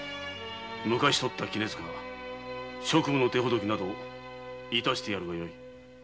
昔とったきねづか職務の手ほどき致してやるがよい。